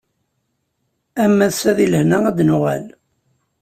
Am wass-a di lehna ad d-nuɣal.